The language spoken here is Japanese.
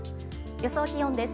予想気温です。